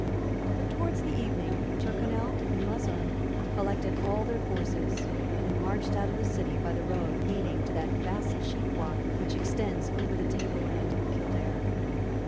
But towards the evening Tyrconnel and Lauzun collected all their forces, and marched out of the city by the road leading to that vast sheepwalk which extends over the table land of Kildare.